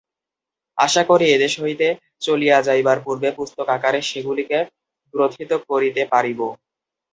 আশা করি এদেশ হইতে চলিয়া যাইবার পূর্বে পুস্তকাকারে সেগুলিকে গ্রথিত করিতে পারিব।